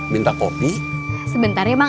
minta kopi sebentar ya pak